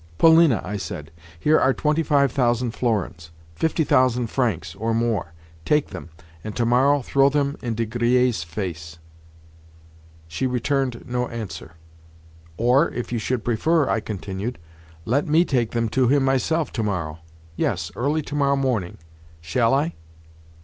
"Polina," I said, "here are twenty five thousand florins—fifty thousand francs, or more. Take them, and tomorrow throw them in De Griers' face." She returned no answer. "Or, if you should prefer," I continued, "let me take them to him myself tomorrow—yes, early tomorrow morning. Shall I?"